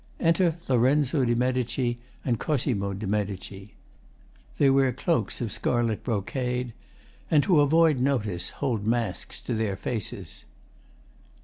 Enter LORENZO DE MEDICI and COSIMO DE MEDICI. They wear cloaks of scarlet brocade, and, to avoid notice, hold masks to their faces.